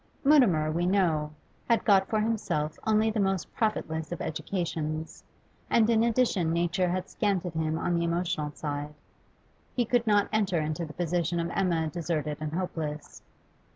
Mutimer, we know, had got for himself only the most profitless of educations, and in addition nature had scanted him on the emotional side. He could not enter into the position of Emma deserted and hopeless.